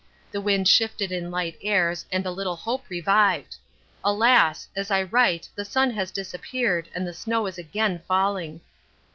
The wind shifted in light airs and a little hope revived. Alas! as I write the sun has disappeared and snow is again falling.